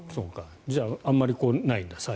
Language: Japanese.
じゃああまりないんだ。